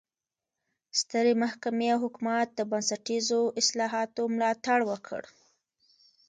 سترې محکمې او حکومت د بنسټیزو اصلاحاتو ملاتړ وکړ.